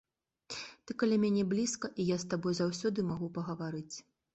Ты каля мяне блізка, і я з табой заўсёды магу пагаварыць.